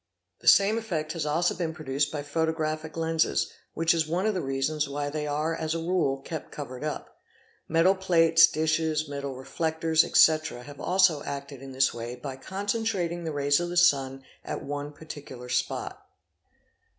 The same effect has also been produced by photographic lenses, which is one of the reasons why they are as a rule kept covered up; metal plates, dishes, metal reflectors, etc., have also acted in this way by concentrating the rays of the sun at one particular spot.